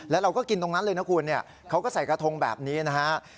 แล้วเราก็กินตรงนั้นเลยนะคุณเนี่ยเขาก็ใส่กระทงแบบนี้นะฮะ